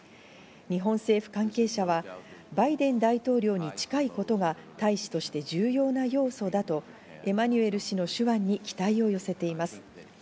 日本政府関係者はバイデン大統領に近いことが大使として重要な要素だと、エマニュエル氏の手腕に期待を寄せています。